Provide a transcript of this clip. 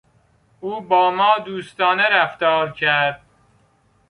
او با ما دوستانه رفتار کرد.